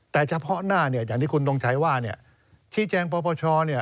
แต่เฉพาะหน้าอย่างที่คุณต้องใช้ว่าขี้แจงปปช